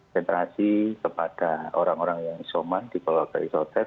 penyelidikasi kepada orang orang yang somat di bawah keisoter